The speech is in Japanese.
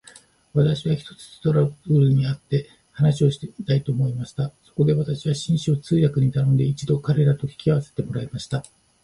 私は、ひとつストラルドブラグたちに会って話してみたいと思いました。そこで私は、紳士を通訳に頼んで、一度彼等と引き合せてもらいました。